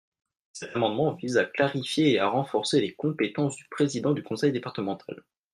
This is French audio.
Cet amendement vise à clarifier et à renforcer les compétences du président du conseil départemental.